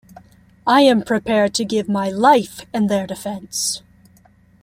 I am prepared to give my life in their defense.